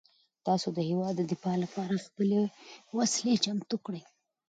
تاسو د هیواد د دفاع لپاره خپلې وسلې چمتو کړئ.